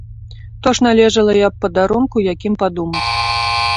То ж належала і аб падарунку якім падумаць.